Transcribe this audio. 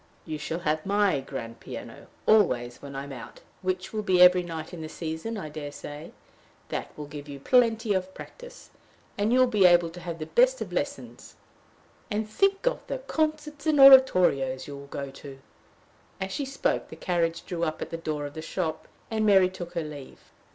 "You shall have my grand piano always when I am out, which will be every night in the season, I dare say. That will give you plenty of practice; and you will be able to have the best of lessons. And think of the concerts and oratorios you will go to!" As she spoke, the carriage drew up at the door of the shop, and Mary took her leave.